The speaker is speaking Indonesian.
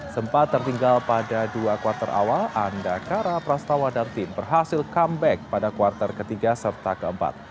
sempat tertinggal pada dua kuartal awal andakara prastawa dan tim berhasil comeback pada kuartal ketiga serta keempat